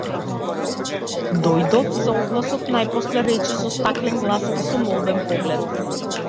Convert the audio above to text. Дојдов за огласот, најпосле рече со стаклен глас и со молбен поглед.